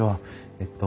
えっと。